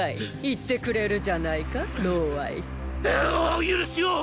言ってくれるじゃないかお許しをっ！